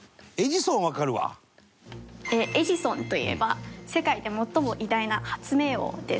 エジソンといえば世界で最も偉大な発明王です。